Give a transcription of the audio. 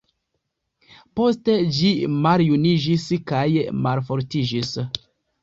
Poste ĝi maljuniĝis kaj malfortiĝis.